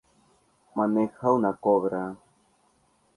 Maneja un Cobra.